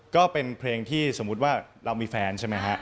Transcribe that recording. ก็เป็นเพลงที่สมมุติว่าเรามีแฟนใช่ไหมฮะ